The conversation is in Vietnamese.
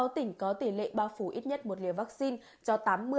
hai mươi sáu tỉnh có tỷ lệ bao phủ ít nhất một liều vaccine cho tám mươi chín mươi năm